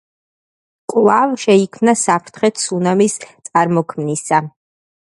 კვლავ შეიქმნა საფრთხე ცუნამის წარმოქმნისა.